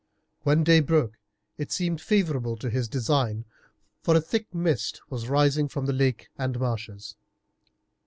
When day broke it seemed favourable to his design, for a thick mist was rising from the lake and marshes.